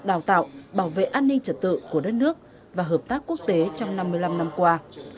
đào tạo bảo vệ an ninh trật tự của đất nước và hợp tác quốc tế trong năm mươi năm năm qua